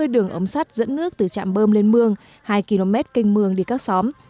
một trăm bốn mươi đường ấm sắt dẫn nước từ trạm bơm lên mương hai km kênh mương đi các xóm